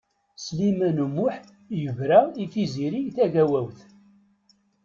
Sliman U Muḥ yebra i Tiziri Tagawawt.